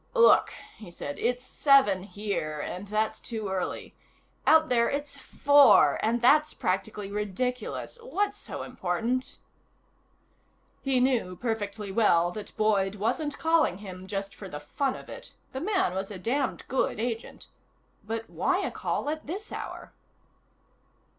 "Look," he said. "It's seven here and that's too early. Out there, it's four, and that's practically ridiculous. What's so important?" He knew perfectly well that Boyd wasn't calling him just for the fun of it. The man was a damned good agent. But why a call at this hour?